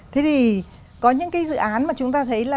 thế thì có những dự án mà chúng ta thấy